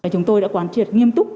chúng tôi đã quản triệt nghiêm túc